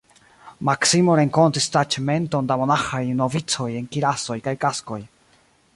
Maksimo renkontis taĉmenton da monaĥaj novicoj en kirasoj kaj kaskoj.